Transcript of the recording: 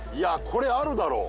これあるだろう